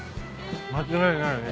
・間違いないね。